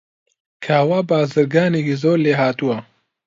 کاوە بازرگانێکی زۆر لێهاتووە.